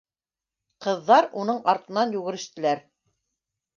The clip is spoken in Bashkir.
Ҡыҙҙар уның артынан йүгерештеләр.